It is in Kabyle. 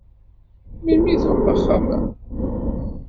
Melmi i tuɣeḍ axxam-a?